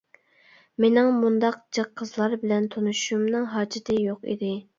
مېنىڭ مۇنداق جىق قىزلار بىلەن تونۇشۇشۇمنىڭ ھاجىتى يوق ئىدى.